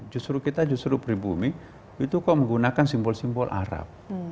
justru kita justru pribumi itu kok menggunakan simbol simbol arab